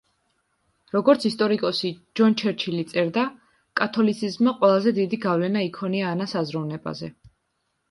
როგორც ისტორიკოსი ჯონ ჩერჩილი წერდა, „კათოლიციზმმა ყველაზე დიდი გავლენა იქონია ანას აზროვნებაზე“.